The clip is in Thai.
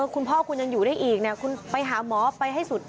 คุณพ่อคุณยังอยู่ได้อีกคุณไปหาหมอไปให้สุด